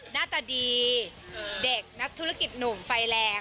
หน้าตาดีเด็กนักธุรกิจหนุ่มไฟแรง